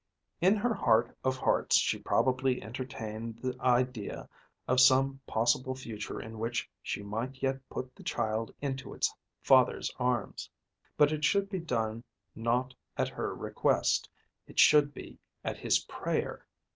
In her heart of hearts she probably entertained the idea of some possible future in which she might yet put the child into its father's arms; but it should be done not at her request. It should be at his prayer.